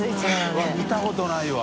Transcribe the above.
Δ錣見たことないわ。